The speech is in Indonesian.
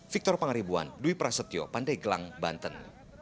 victor pangaribuan dwi prasetyo pandai gelang banten